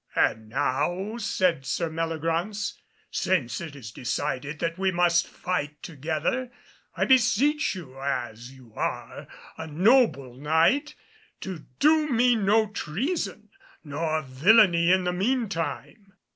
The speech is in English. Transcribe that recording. "And now," said Sir Meliagraunce, "since it is decided that we must fight together, I beseech you, as you are a noble Knight, do me no treason nor villainy in the mean time."